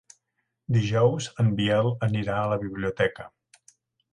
Dijous en Biel anirà a la biblioteca.